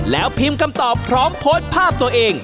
แล้วพิมพ์คำตอบพร้อมโพสต์ภาพตัวเอง